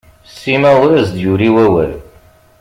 Sima ur as-d-yuli awawl.